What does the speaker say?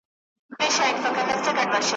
چي نااهله واكداران چيري پيدا سي ,